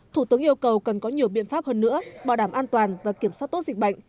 thủ tướng yêu cầu cần có nhiều biện pháp hơn nữa bảo đảm an toàn và kiểm soát tốt dịch bệnh